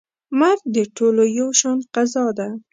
مرګ د ټولو یو شان قضا ده.